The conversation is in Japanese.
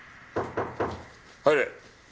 入れ。